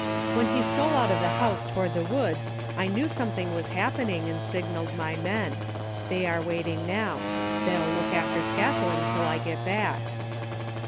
When he stole out of the house toward the woods I knew something was happening and signalled my men. They are waiting now. They'll look after Scathlin till I get back."